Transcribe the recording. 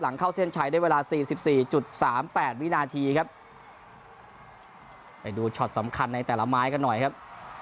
เข้าเส้นชัยได้เวลาสี่สิบสี่จุดสามแปดวินาทีครับไปดูช็อตสำคัญในแต่ละไม้กันหน่อยครับ